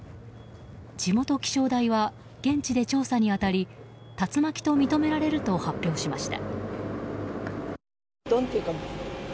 地元気象台は現地で調査に当たり竜巻と認められると発表しました。